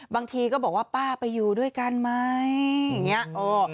บางทีก็บอกว่าป้าไปอยู่ด้วยกันไหมอย่างนี้